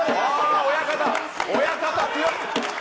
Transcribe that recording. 親方強い。